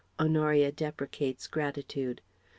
(Honoria deprecates gratitude.)